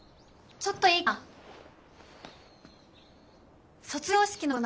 ちょっといいかな。